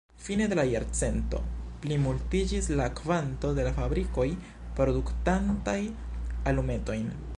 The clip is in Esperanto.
Fine de la jarcento plimultiĝis la kvanto de la fabrikoj produktantaj alumetojn.